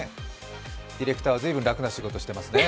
ディレクターは随分楽な仕事をしていますね。